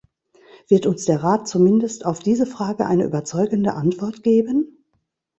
Wird uns der Rat zumindest auf diese Frage eine überzeugende Antwort geben?